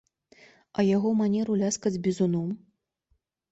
А яго манеру ляскаць бізуном!